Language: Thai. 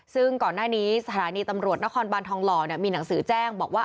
ซึ่งก่อนหน้านี้สถานีตำรวจนครบานทองหล่อมีหนังสือแจ้งบอกว่า